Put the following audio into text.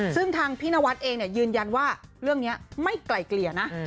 ซึ่งทางพี่นวัดเองยืนยันว่าเรื่องนี้ไม่ไกลเกลี่ยนะ